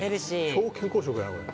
超健康食だねこれ。